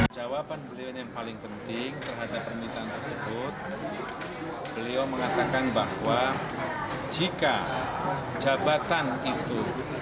jawaban beliau ini yang paling penting terhadap permintaan tersebut beliau mengatakan bahwa jika jabatan itu